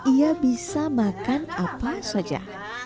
ia bisa makan apa saja